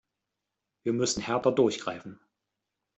Wir müssen härter durchgreifen.